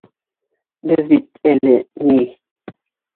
Беҙ бит әле, ни...